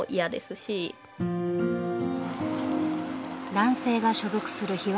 男性が所属する日和